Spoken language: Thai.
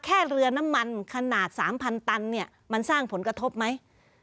แค่เรือน้ำมันขนาด๓๐๐ตันเนี่ยมันสร้างผลกระทบไหม